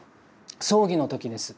葬儀の時です。